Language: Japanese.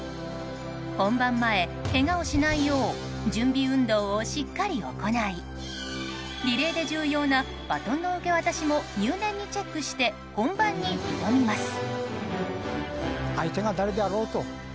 本番前、けがをしないよう準備運動をしっかり行いリレーで重要なバトンの受け渡しも入念にチェックして本番に挑みます。